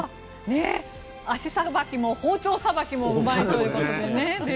足さばきも包丁さばきもうまいということでね。